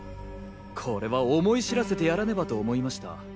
これは思い知らせてやらねばと思いました。